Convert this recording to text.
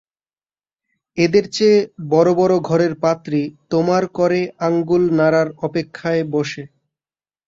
এদের চেয়ে বড়ো বড়ো ঘরের পাত্রী তোমার কড়ে আঙুল নাড়ার অপেক্ষায় বসে।